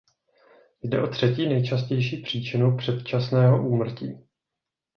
Jde o třetí nejčastější příčinu předčasného úmrtí.